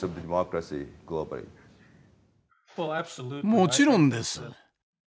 もちろんです。